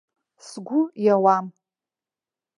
Сгәы иауам.